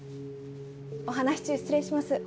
お話し中失礼します。